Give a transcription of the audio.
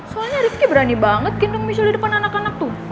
soalnya rifki berani banget ngendong misal di depan anak anak tuh